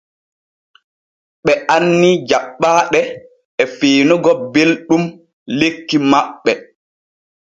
Ɓe anni jaɓɓaaɗe e fiinugo belɗum lekki maɓɓe.